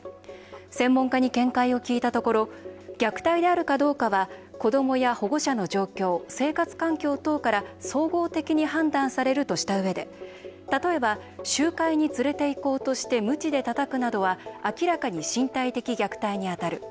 専門家に見解を聞いたところ虐待であるかどうかは子どもや保護者の状況生活環境等から総合的に判断されるとしたうえで例えば、集会に連れていこうとしてむちでたたくなどは明らかに身体的虐待にあたる。